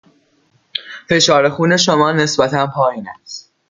فشار خون شما نسبتاً پایین است.